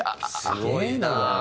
すごいな。